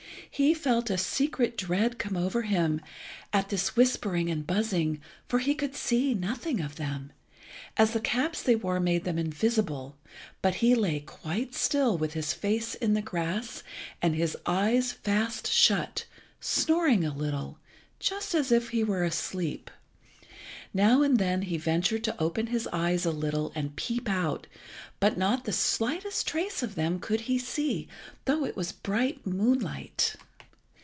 He felt a secret dread come over him at this whispering and buzzing, for he could see nothing of them, as the caps they wore made them invisible, but he lay quite still with his face in the grass, and his eyes fast shut, snoring a little, just as if he were asleep. Now and then he ventured to open his eyes a little and peep out, but not the slightest trace of them could he see, though it was bright moonlight.